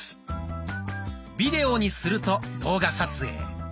「ビデオ」にすると動画撮影。